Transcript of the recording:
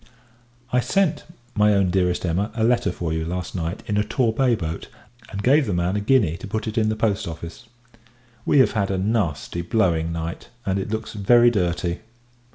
I sent, my own Dearest Emma, a letter for you, last night, in a Torbay boat, and gave the man a guinea to put it in the Post Office. We have had a nasty blowing night, and it looks very dirty.